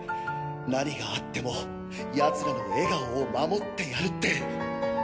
何があってもヤツらの笑顔を守ってやるって。